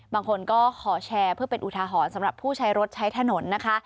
บางคนก็ขอแชร์เพื่อเป็นอุทาหรณ์สำหรับผู้ใช้รถใช้ถนนนะคะ